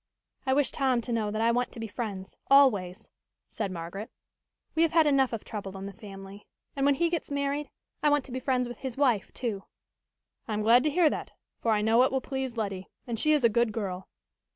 "I wish Tom to know that I want to be friends, always," said Margaret. "We have had enough of trouble in the family. And when he gets married, I want to be friends with his wife, too." "I am glad to hear that, for I know it will please Letty and she is a good girl.